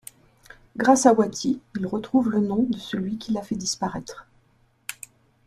Grâce à Wati, ils retrouvent le nom de celui qui l'a fait disparaître.